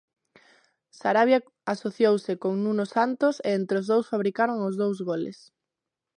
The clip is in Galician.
Sarabia asociouse con Nuno Santos, e entre os dous fabricaron os dous goles.